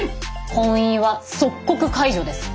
婚姻は即刻解除です。